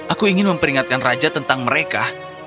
aku ingin memperingatkan raja tentang mereka